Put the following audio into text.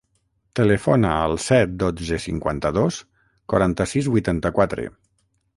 Telefona al set, dotze, cinquanta-dos, quaranta-sis, vuitanta-quatre.